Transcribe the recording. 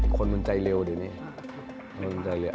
คนมันใจเร็วเดี๋ยวนี้